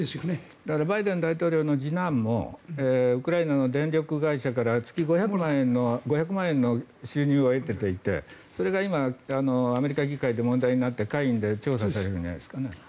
だからバイデン大統領の次男もウクライナの電力会社から月５００万円の収入を得ていてそれが今アメリカ議会で問題になって下院で調査されるんじゃないですかね。